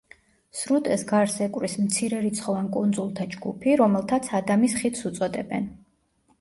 სრუტეს გარს ეკვრის მცირერიცხოვან კუნძულთა ჯგუფი, რომელთაც ადამის ხიდს უწოდებენ.